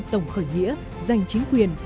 tổng khởi nghĩa giành chính quyền